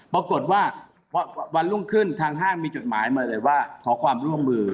ปรากฏว่าพอวันรุ่งขึ้นทางห้างมีจดหมายมาเลยว่าขอความร่วมมือ